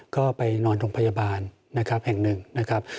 ก็ไปนอนโรงพยาบาลนะครับแห่งหนึ่งนะครับ